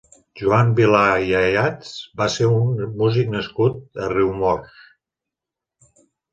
Joan Vilà i Ayats va ser un músic nascut a Riumors.